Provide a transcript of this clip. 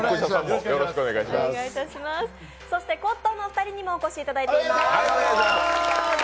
そしてコットンのお二人にもお越しいただいています。